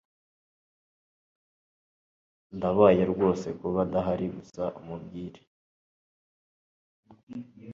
Ndabaye rwose kuba adahari gusa umubwire